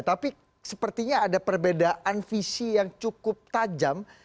tapi sepertinya ada perbedaan visi yang cukup tajam